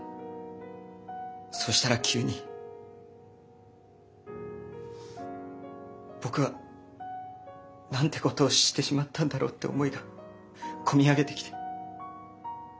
そしたら急に僕はなんてことをしてしまったんだろうって思いが込み上げてきて。